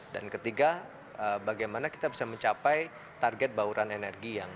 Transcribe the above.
dan ketiga bagaimana kita bisa mencapai target bauran energi yang